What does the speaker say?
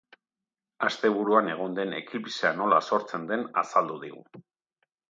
Asteburuan egon den eklipsea nola sortzen den azaldu digu.